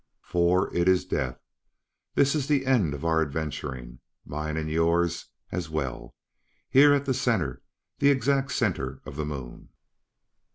"For it is death! This is the end of our adventuring mine and yours as well here at the center, the exact center of the Moon."